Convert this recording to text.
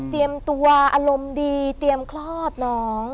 เตรียมตัวอารมณ์ดีเตรียมครอบน้อง